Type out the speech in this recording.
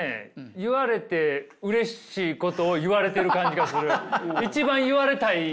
言われてうれしいことを言われてる感じがする。